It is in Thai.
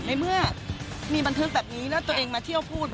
ในเมื่อมีบันทึกแบบนี้แล้วตัวเองมาเที่ยวพูด